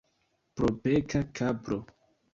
Propeka kapro.